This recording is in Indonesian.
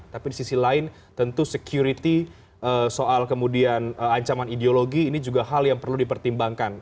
tapi di sisi lain tentu security soal kemudian ancaman ideologi ini juga hal yang perlu dipertimbangkan